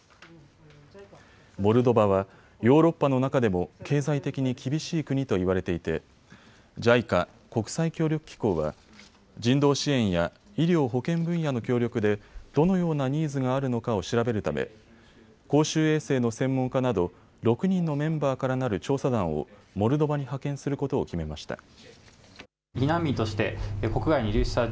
モルドバはヨーロッパの中でも経済的に厳しい国といわれていてＪＩＣＡ・国際協力機構は人道支援や医療・保健分野の協力でどのようなニーズがあるのかを調べるため公衆衛生の専門家など６人のメンバーからなる調査団をモルドバに派遣することを決めました。